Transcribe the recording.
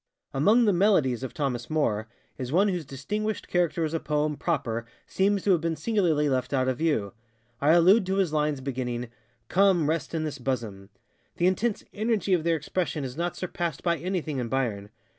Among the ŌĆ£MelodiesŌĆØ of Thomas Moore is one whose distinguished character as a poem proper seems to have been singularly left out of view. I allude to his lines beginningŌĆöŌĆ£Come, rest in this bosom. ŌĆØ The intense energy of their expression is not surpassed by anything in Byron.